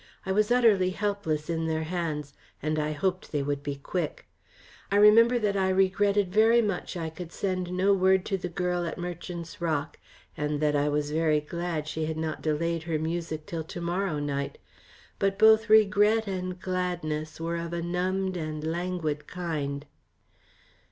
I was utterly helpless in their hands, and I hoped they would be quick. I remember that I regretted very much I could send no word to the girl at Merchant's Rock, and that I was very glad she had not delayed her music till tomorrow night, but both regret and gladness were of a numbed and languid kind.